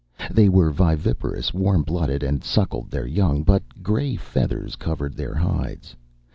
They were viviparous, warm blooded, and suckled their young, but gray feathers covered their hides.